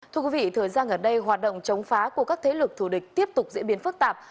thưa quý vị thời gian ở đây hoạt động chống phá của các thế lực thù địch tiếp tục diễn biến phức tạp